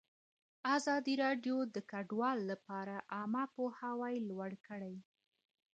ازادي راډیو د کډوال لپاره عامه پوهاوي لوړ کړی.